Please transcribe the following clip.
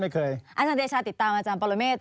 อาจารย์เดชาติดตามอาจารย์ปรเมฆ